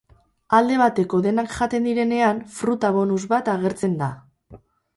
Alde bateko denak jaten direnean, fruta-bonus bat agertzen da.